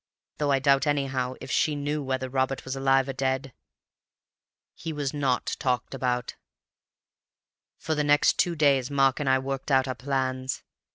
Though I doubt, anyhow, if she knew whether Robert was alive or dead. He was not talked about. "For the next two days Mark and I worked out our plans.